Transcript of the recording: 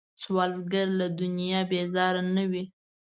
سوالګر له دنیا بیزاره نه وي